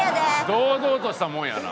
堂々としたもんやな。